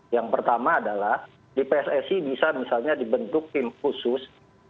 yang pertama adalah di pssi bisa misalnya dibentuk tim khusus